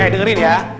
eh dengerin ya